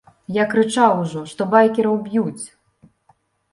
Я крычаў ужо, што байкераў б'юць.